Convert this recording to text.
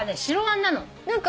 白あんなの。